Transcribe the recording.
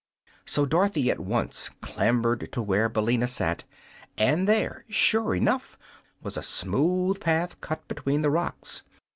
So Dorothy at once clambered to where Billina sat, and there, sure enough, was a smooth path cut between the rocks.